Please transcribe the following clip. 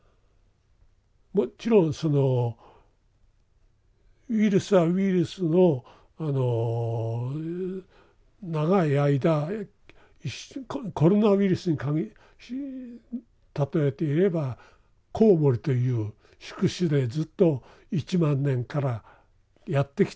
もちろんそのウイルスはウイルスのあの長い間コロナウイルスに例えて言えばコウモリという宿主でずっと１万年からやってきてる。